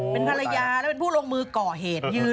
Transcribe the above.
เป็นภรรยาและเป็นผู้ลงมือก่อเหตุยืน